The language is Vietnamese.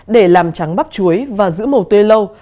để làm trắng bắp chuối và giữ màu tươi lâu